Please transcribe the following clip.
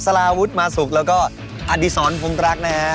ลาวุฒิมาสุกแล้วก็อดีศรพรมรักนะฮะ